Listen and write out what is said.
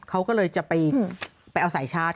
เขาก็เลยจะไปเอาสายชาร์จ